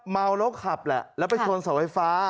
เมาลกขับละแล้วไปชนสวัสดิ์ไฟฟ้า